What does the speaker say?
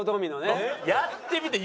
やってみて！